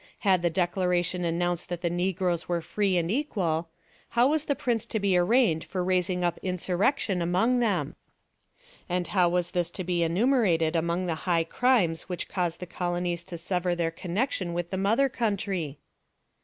Had the Declaration announced that the negroes were free and equal, how was the prince to be arraigned for raising up insurrection among them? And how was this to be enumerated among the high crimes which caused the colonies to sever their connection with the mother country?